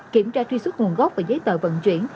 kiểm tra truy xuất nguồn gốc và giấy tờ vận chuyển